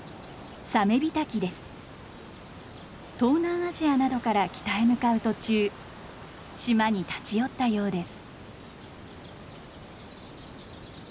東南アジアなどから北へ向かう途中島に立ち寄ったようです。